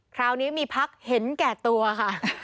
คราวนี้มีพักเห็นแก่ตัวค่ะ